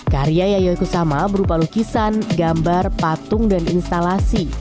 karya yayoi kusama berupa lukisan gambar patung dan instalasi